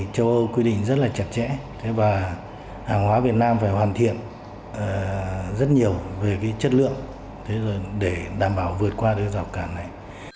châu âu quy định rất là chặt chẽ và hàng hóa việt nam phải hoàn thiện rất nhiều về chất lượng để đảm bảo vượt qua rào cản này